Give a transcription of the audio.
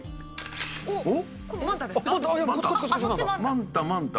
おっ。